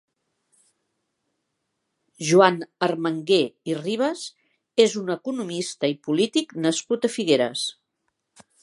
Joan Armangué i Ribas és un economista i polític nascut a Figueres.